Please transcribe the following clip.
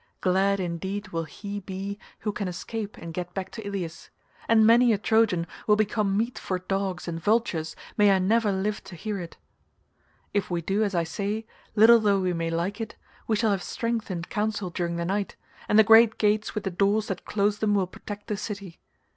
Glad indeed will he be who can escape and get back to Ilius, and many a Trojan will become meat for dogs and vultures may I never live to hear it. If we do as I say, little though we may like it, we shall have strength in counsel during the night, and the great gates with the doors that close them will protect the city.